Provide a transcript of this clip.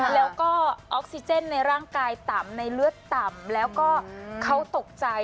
แล้วก็ออกซิเจนในร่างกายต่ำในเลือดต่ำแล้วก็เขาตกใจ